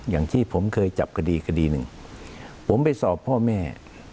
อย่างที่ผมเคยจับคดีคดีหนึ่งผมไปสอบพ่อแม่